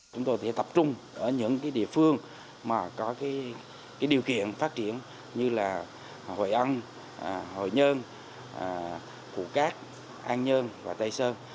chúng tôi sẽ tập trung ở những địa phương có điều kiện phát triển như hội ân hội nhơn phủ cát an nhơn và tây sơn